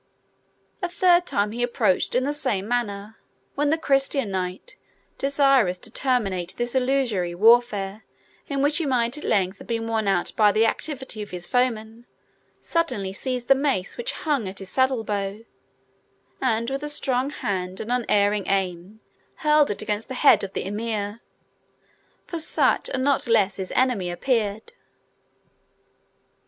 A third time he approached in the same manner, when the Christian knight, desirous to terminate this illusory warfare, in which he might at length have been worn out by the activity of his foeman, suddenly seized the mace which hung at his saddle bow, and, with a strong hand and unerring aim, hurled it against the head of the Emir, for such and not less his enemy appeared.